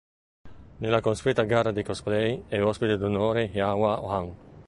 Nella consueta gara di cosplay è ospite d'onore Yaya Han.